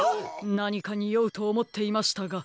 なにかにおうとおもっていましたが。